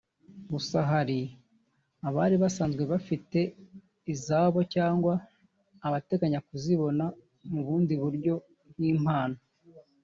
Gusa hari abari basanzwe bafite izabo cyangwa abateganyaga kuzibona mu bundi buryo nk’impano